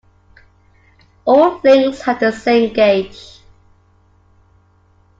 All links have the same gauge.